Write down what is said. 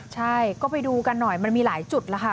ใช่ก็ไปดูกันหน่อยมันมีหลายจุดแล้วค่ะ